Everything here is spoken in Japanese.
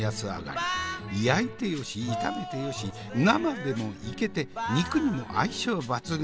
焼いてよし炒めてよし生でもいけて肉にも相性抜群。